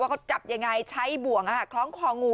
เขาจับยังไงใช้บ่วงคล้องคองู